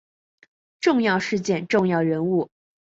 重要事件重要人物